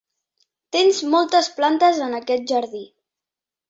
Tens moltes plantes en aquest jardí.